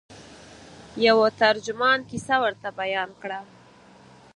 یوه ترجمان کیسه ورته بیان کړه.